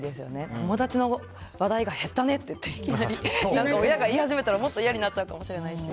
友達の話題が減ったねって親が言い始めたらもっと嫌になっちゃうかもしれないし。